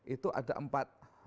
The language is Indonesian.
itu ada empat